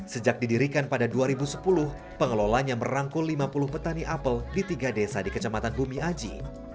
sejak didirikan pada dua ribu sepuluh pengelolanya merangkul lima puluh petani apel di tiga desa di kecamatan bumi aji